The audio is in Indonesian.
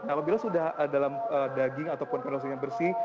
nah apabila sudah ada dalam daging ataupun kondos yang bersih